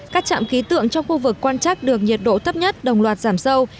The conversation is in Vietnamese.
các trạm khí tượng trong khu vực quan trắc được nhiệt độ thấp nhất đồng loạt giảm sâu